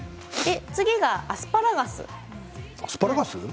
次がアスパラガスです。